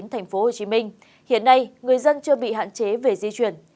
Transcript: tp hcm hiện nay người dân chưa bị hạn chế về di chuyển